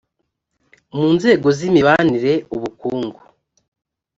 mu nzego z imibanire ubukungu